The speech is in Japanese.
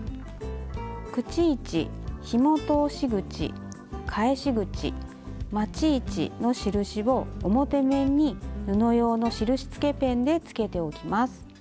口位置ひも通し口返し口まち位置の印を表面に布用の印つけペンでつけておきます。